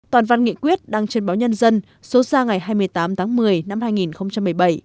toàn văn nghị quyết đăng trên báo nhân dân số ra ngày hai mươi tám tháng một mươi năm hai nghìn một mươi bảy